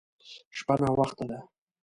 شپه ناوخته ده.